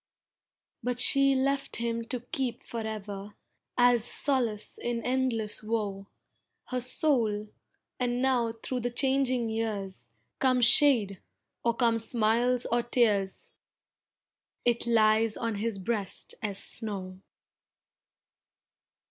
But she left him to keep for ever, As solace in endless woe Her soul, and now through the changing years, Come shine, come shade, or come smiles, or tears, It lies on his breast as snow.